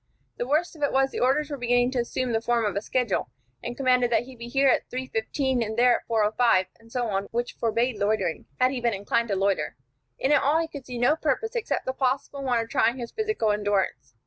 The worst of it was, the orders were beginning to assume the form of a schedule, and commanded that he be here at 3:15, and there at 4:05; and so on, which forbade loitering, had he been inclined to loiter. In it all he could see no purpose, except the possible one of trying his physical endurance.